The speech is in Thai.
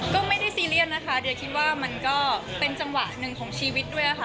ก็ไม่ได้ซีเรียสนะคะเดียคิดว่ามันก็เป็นจังหวะหนึ่งของชีวิตด้วยค่ะ